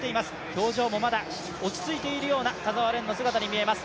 表情もまだ落ち着いているような田澤廉の姿に見えます。